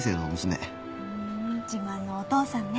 ふん自慢のお父さんね。